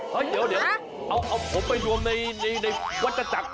เดี๋ยวเอาผมไปรวมในวัตจักร